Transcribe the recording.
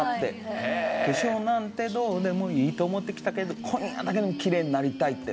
「化粧なんてどうでもいいと思ってきたけれど今夜だけでもきれいになりたい」って。